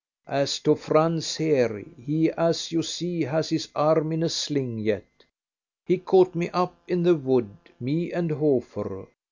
As to Franz here, he, as you see, has his arm in a sling yet. He caught me up in the wood, me and Hofer.